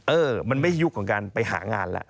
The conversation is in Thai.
เออมันไม่ยุคของการไปหางานแล้ว